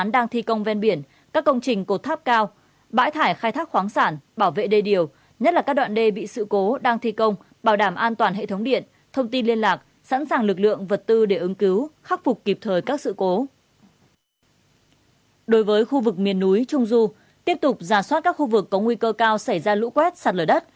đối với khu vực miền núi trung du tiếp tục ra soát các khu vực có nguy cơ cao xảy ra lũ quét sạt lở đất